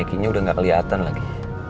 ini udah gak keliatan lagi